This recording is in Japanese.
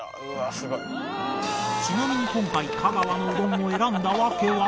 ちなみに今回香川のうどんを選んだ訳は？